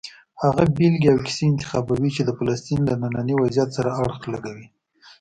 هغه بېلګې او کیسې انتخابوي چې د فلسطین له ننني وضعیت سره اړخ لګوي.